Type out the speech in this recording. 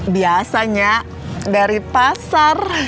biasanya dari pasar